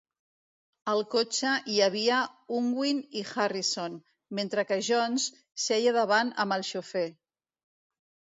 Al cotxe hi havia Unwin i Harrison, mentre que Jones seia davant amb el xofer.